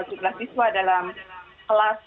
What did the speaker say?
jublah siswa dalam kelas